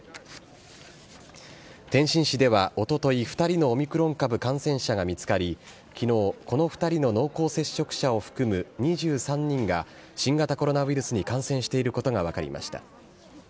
天津市ではおととい、２人のオミクロン株感染者が見つかり、きのう、この２人の濃厚接触者を含む２３人が、新型コロナウイルスに感染していることが分かりました。